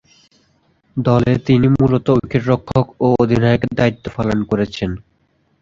দলে তিনি মূলতঃ উইকেট-রক্ষক ও অধিনায়কের দায়িত্ব পালন করেছেন।